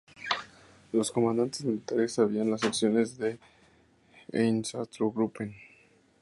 Los comandantes militares sabían de las acciones de los "Einsatzgruppen".